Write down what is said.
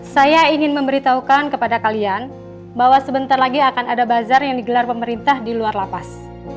saya ingin memberitahukan kepada kalian bahwa sebentar lagi akan ada bazar yang digelar pemerintah di luar lapas